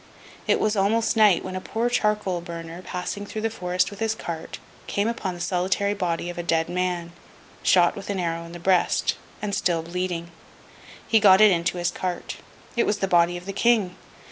It was almost night, when a poor charcoal burner, passing through the forest with his cart, came upon the solitary body of a dead man, shot with an arrow in the breast, and still bleeding. He got it into his cart. It was the body of the King.